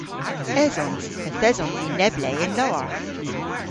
Esons. Yth esons i neb le y'n lowarth.